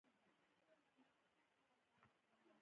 د بزګر د ستونزو حل زراعت ته وده ورکوي.